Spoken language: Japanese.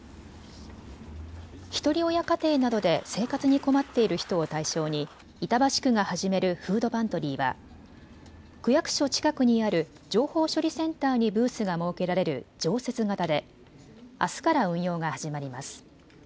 ひとり親家庭などで生活に困っている人を対象に板橋区が始めるフードパントリーは、区役所近くにある情報処理センターにブースが設けられる常設型であすから運用が始まります。